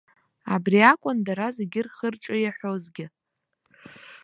Абри акәын дара зегьы рхы-рҿы иаҳәозгьы.